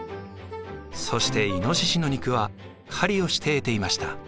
そしてイノシシの肉は狩りをして得ていました。